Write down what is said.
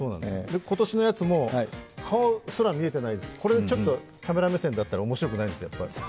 今年のやつも、顔すら見えてないですけどこれちょっとカメラ目線だったら面白くないんですよ。